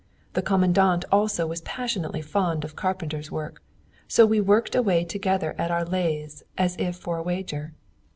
The Commandant also was passionately fond of carpenter's work, so we worked away together at our lathes as if for a wager.